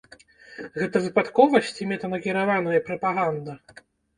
Гэта выпадковасць ці мэтанакіраваная прапаганда?